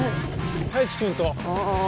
太一君と。